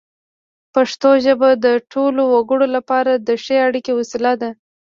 پښتو ژبه د ټولو وګړو لپاره د ښې اړیکې وسیله ده.